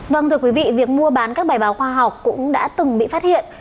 vâng thưa quý vị việc mua bán các bài báo khoa học cũng đã từng bị phát hiện